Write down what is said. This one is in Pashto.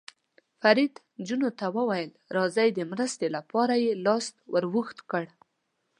فرید نجونو ته وویل: راځئ، د مرستې لپاره یې لاس ور اوږد کړ.